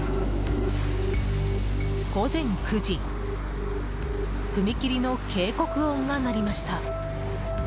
午前９時踏切の警告音が鳴りました。